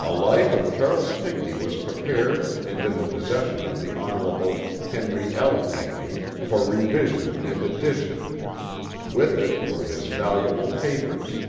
"A life of Charles Pinckney was prepared and in the possession of the Hon. Henry L. Pinckney for revision and addition; with it were his valuable papers.